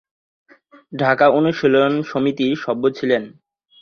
ঢাকা অনুশীলন সমিতির সভ্য ছিলেন।